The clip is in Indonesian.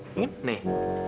ini inget nih